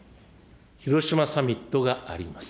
広島サミットがあります。